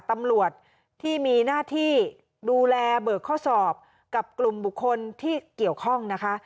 ตำรวจที่มีหน้าที่ดูแลเบิกข้อสอบกับกลุ่มบุคคลที่เกี่ยวข้องนะคะ